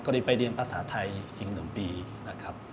ก็ได้ไปเรียนภาษาไทยอีกหนึ่งปีนะครับ